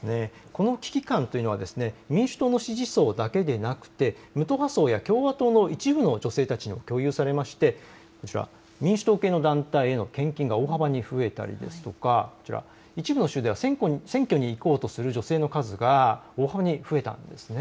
この危機感というのは民主党の支持層だけではなく無党派層や共和党の一部の女性たちにも共有されて民主党系の団体への献金が大幅に増えたり一部の州では選挙に行こうとする女性の数が大幅に増えたんです。